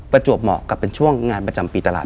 ประจวบเหมาะกับเป็นช่วงงานประจำปีตลาด